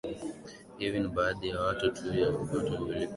Hivyo ni baadhi ya tu ya vivutio vilivyopo ndani ya visiwa vya Zanzibar